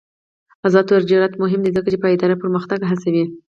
آزاد تجارت مهم دی ځکه چې پایداره پرمختګ هڅوي.